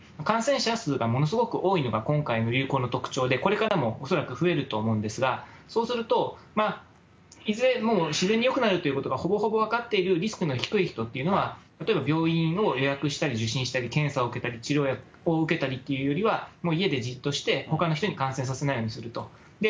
感染者数がものすごく多いのが、今回の流行の特徴で、これからも恐らく増えると思うんですが、そうすると、いずれもう自然によくなるということがほぼほぼ分かっているリスクの低い人というのは、例えば病院を予約したり、受診したり、検査を受けたり、治療薬を受けたりというよりは家でじっとして、ほかの人に感染させないようにすると。